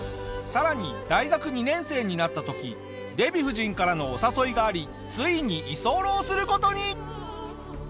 さらに大学２年生になった時デヴィ夫人からのお誘いがありついに居候する事に！